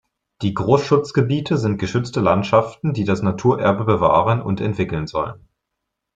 Die Großschutzgebiete sind geschützte Landschaften, die das Naturerbe bewahren und entwickeln sollen.